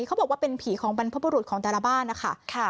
เขาบอกว่าเป็นผีของบรรพบุรุษของแต่ละบ้านนะคะ